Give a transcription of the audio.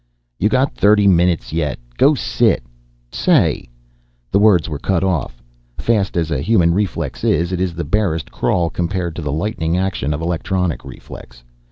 "You got thirty minutes yet, go sit say...!" The words were cut off. Fast as a human reflex is, it is the barest crawl compared to the lightning action of electronic reflex.